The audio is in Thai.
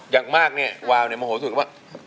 อย่างมากเนี่ยวาวเนี่ยโมโหสุดว่า